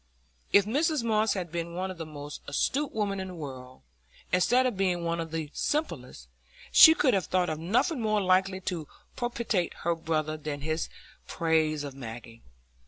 If Mrs Moss had been one of the most astute women in the world, instead of being one of the simplest, she could have thought of nothing more likely to propitiate her brother than this praise of Maggie.